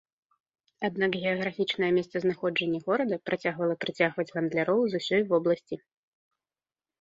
Аднак геаграфічнае месцазнаходжанне горада працягвала прыцягваць гандляроў з усёй вобласці.